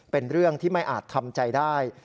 เป็นเรื่องที่ไม่อาจทำใจได้